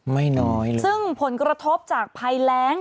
ไม่น้อยเลยซึ่งผลกระทบจากภัยแรง